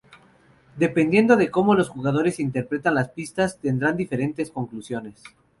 Dependiendo de cómo los jugadores interpretan las pistas, tendrán diferentes conclusiones.